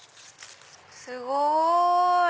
すごい！